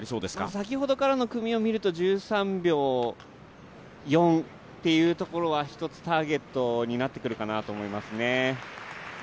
先ほどからの組を見ると１３秒４っていうところは一つ、ターゲットになってくるかなと思いますね。